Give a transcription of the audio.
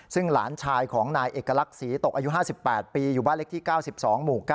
ซึ่งหลานชายของนายเอกลักษณ์ศรีตกอายุ๕๘ปีอยู่บ้านเล็กที่๙๒หมู่๙